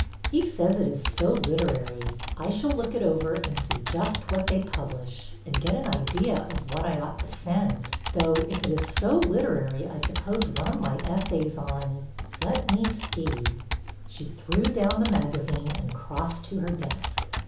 '' He says it is so literary. I shall look it over and see just what they publish, and get an idea of what I ought to send. Though, if it is so literary I suppose one of my essays on — let me see —" She threw down the magazine and crossed to her desk.